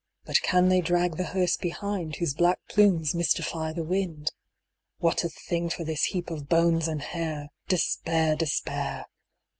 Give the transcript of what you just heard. But can they drag the hearse behind, Whose black plumes mystify the wind ? What a thing for this heap of bones and hair ! Despair, despair